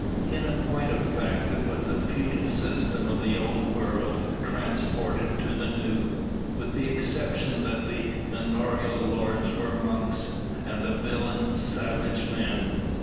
In point of fact, it was the feudal system of the Old World transported to the New; with the exception that the manorial lords were monks, and the villeins savage men.